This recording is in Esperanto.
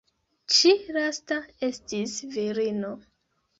Ĉi lasta estis virino.